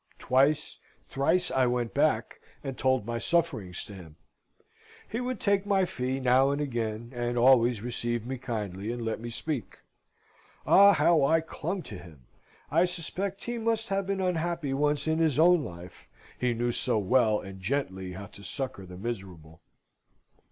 Twice, thrice I went back and told my sufferings to him. He would take my fee now and again, and always receive me kindly, and let me speak. Ah, how I clung to him! I suspect he must have been unhappy once in his own life, he knew so well and gently how to succour the miserable.